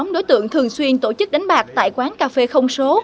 nhóm đối tượng thường xuyên tổ chức đánh bạc tại quán cà phê không số